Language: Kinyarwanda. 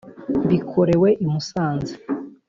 Bikorewe i Musanze .